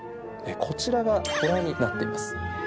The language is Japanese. こちらがトラになっています。